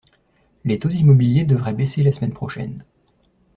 Les taux immobiliers devraient baisser la semaine prochaine.